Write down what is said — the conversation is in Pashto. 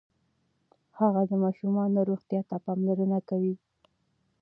هغه د ماشومانو روغتیا ته پاملرنه کوي.